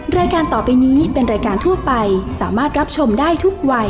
รายการต่อไปนี้เป็นรายการทั่วไปสามารถรับชมได้ทุกวัย